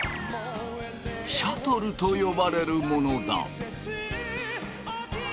シャトルと呼ばれるものだ。